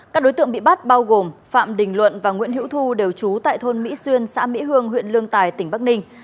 các đối tượng bị bắt bao gồm phạm đình luận và nguyễn hữu thu đều trú tại thôn mỹ xuyên xã mỹ hương huyện lương tài tỉnh bắc ninh